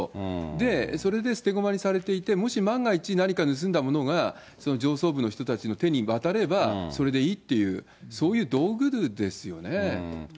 で、それで捨て駒にされていて、もし万が一、何か盗んだものが上層部の人たちの手に渡れば、それでいいっていう、そういう道具ですよね。